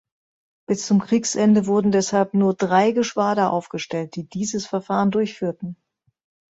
Bis zum Kriegsende wurden deshalb nur drei Geschwader aufgestellt, die dieses Verfahren durchführten.